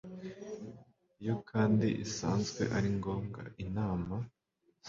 Iyo kandi isanze ari ngombwa inama